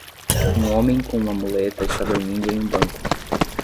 Um homem com uma muleta está dormindo em um banco.